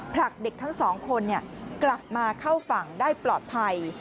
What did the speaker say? ผลักเด็กทั้งสองคนกลับมาเข้าฝั่งได้ปลอดภัย